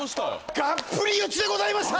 がっぷり四つでございました